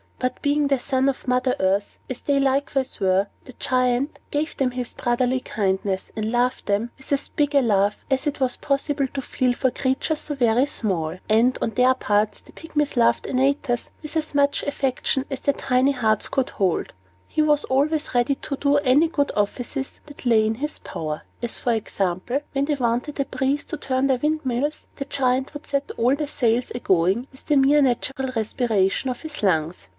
But, being the son of Mother Earth, as they likewise were, the Giant gave them his brotherly kindness, and loved them with as big a love as it was possible to feel for creatures so very small. And, on their parts, the Pygmies loved Antaeus with as much affection as their tiny hearts could hold. He was always ready to do them any good offices that lay in his power; as for example, when they wanted a breeze to turn their windmills, the Giant would set all the sails a going with the mere natural respiration of his lungs.